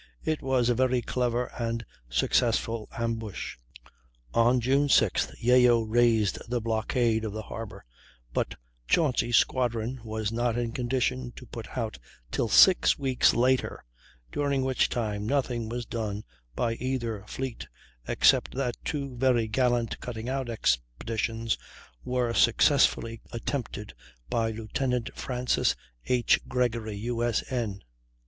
It was a very clever and successful ambush. On June 6th Yeo raised the blockade of the Harbor, but Chauncy's squadron was not in condition to put out till six weeks later, during which time nothing was done by either fleet, except that two very gallant cutting out expeditions were successfully attempted by Lieutenant Francis H. Gregory, U.S.N.